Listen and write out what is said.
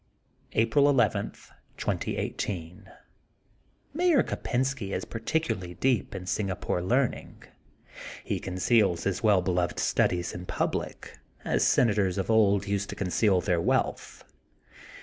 April 11, 2018 :— ^Mayor Kopensky is partic ularly deep in Singapore learning. He con ceals his well beloved studies in pnblic, as senators of old used to conceal their wealth.